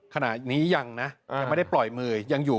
ขณะนี้ยังนะยังไม่ได้ปล่อยมือยังอยู่